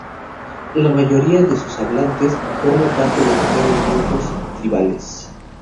La mayoría de sus hablantes forma parte de pequeños grupos tribales.